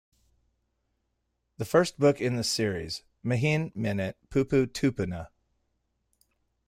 The first book in the series, Mihin menet Pupu Tupuna?